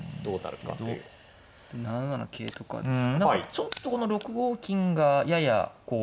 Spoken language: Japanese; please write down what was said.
ちょっとこの６五金がややこう。